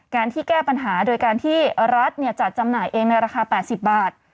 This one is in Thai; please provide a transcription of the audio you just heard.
การที่แก้ปัญหาโดยการที่รัฐจัดจำหน่ายเองในราคา๘๐บาท